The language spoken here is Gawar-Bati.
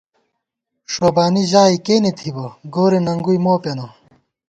ݭوبانی ژائی کېنےتھِبہ ،گورےننگُوئی مو پېنہ